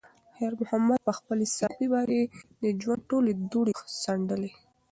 خیر محمد په خپلې صافې باندې د ژوند ټولې دوړې څنډلې.